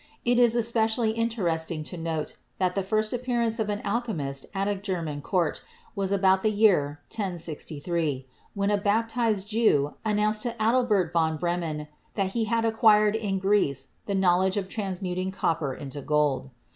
It is especially interesting to note that the first appearance of an alchemist at a German court was about the year 1063, when a bap tized Jew announced to Adalbert von Bremen that he had acquired in Greece the knowledge of transmuting copper into gold.